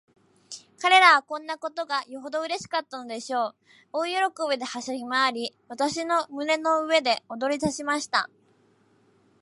彼等はこんなことがよほどうれしかったのでしょう。大喜びで、はしゃぎまわり、私の胸の上で踊りだしました。